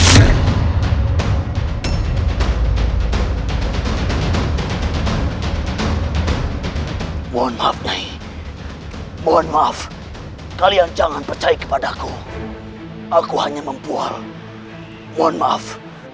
mohon maaf nih mohon maaf kalian jangan percaya kepadaku aku hanya membual mohon maaf